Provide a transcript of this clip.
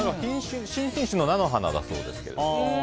新品種の菜の花だそうですけど。